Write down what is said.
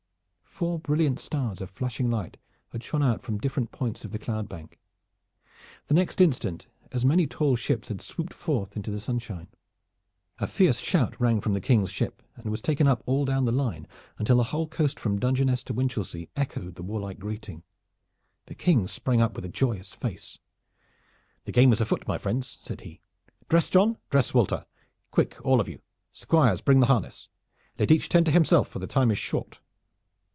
Four brilliant stars of flashing light had shone out from different points of the cloud bank. The next instant as many tall ships had swooped forth into the sunshine. A fierce shout rang from the King's ship, and was taken up all down the line, until the whole coast from Dungeness to Winchelsea echoed the warlike greeting. The King sprang up with a joyous face. "The game is afoot, my friends!" said he. "Dress, John! Dress, Walter! Quick all of you! Squires, bring the harness! Let each tend to himself, for the time is short."